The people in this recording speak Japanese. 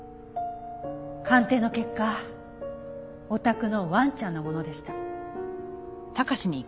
鑑定の結果お宅のワンちゃんのものでした。